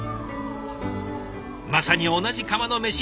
まさに同じ釜のメシ。